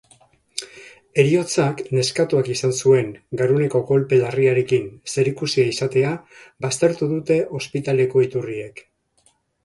Heriotzak neskatoak izan zuen garuneko kolpe larriarekin zerikusia izatea baztertu dute ospitaleko iturriek.